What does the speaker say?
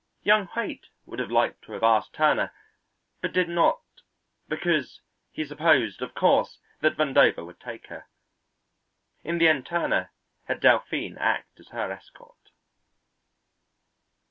Young Haight would have liked to have asked Turner, but did not because he supposed, of course, that Vandover would take her. In the end Turner had Delphine act as her escort.